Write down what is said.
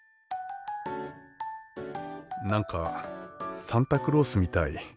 何かサンタクロースみたい。